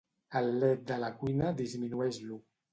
El led de la cuina disminueix-lo.